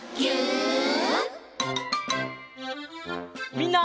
みんな。